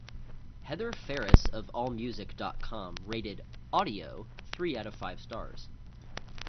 Heather Phares of Allmusic dot com rated "Audio" three out of five stars.